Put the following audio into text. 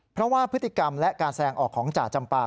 เพราะว่าพฤติกรรมและการแสดงออกของจ่าจำปา